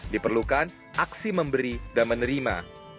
diperlukan aksi memberi dan menerima